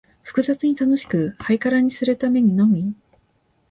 複雑に楽しく、ハイカラにするためにのみ、